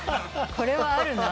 これはあるな。